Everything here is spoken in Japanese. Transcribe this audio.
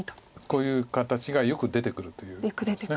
こういう形がよく出てくるということです。